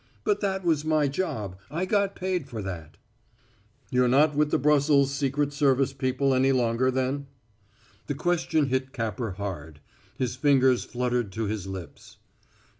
"But that was my job. I got paid for that." "You're not with the Brussels secret service people any longer, then?" The question hit Capper hard. His fingers fluttered to his lips.